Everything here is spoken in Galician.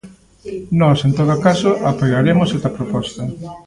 Nós, en todo caso, apoiaremos esta proposta.